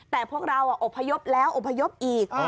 แต่พวกเราอบพยพแล้วอบพยพอีก